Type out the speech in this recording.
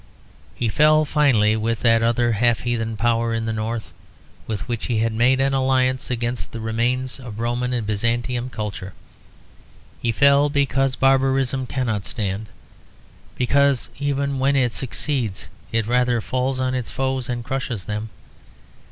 He fell finally with that other half heathen power in the North, with which he had made an alliance against the remains of Roman and Byzantine culture. He fell because barbarism cannot stand; because even when it succeeds it rather falls on its foes and crushes them.